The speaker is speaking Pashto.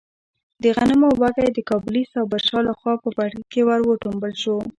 د غنمو وږی د کابلي صابر شاه لخوا په پټکي کې ور وټومبل شو.